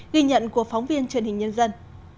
ghi nhận của phóng viên truyền hình nhân dân